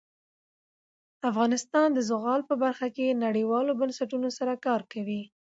افغانستان د زغال په برخه کې نړیوالو بنسټونو سره کار کوي.